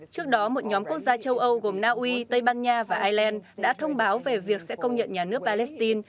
trước đó một nhóm quốc gia châu âu gồm naui tây ban nha và ireland đã thông báo về việc sẽ công nhận nhà nước palestine